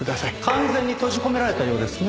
完全に閉じ込められたようですね。